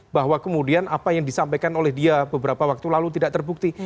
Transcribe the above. bahwa kemudian apa yang disampaikan oleh dia beberapa waktu lalu tidak terbukti